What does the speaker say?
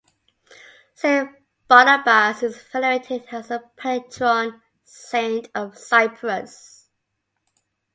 Saint Barnabas is venerated as the Patron Saint of Cyprus.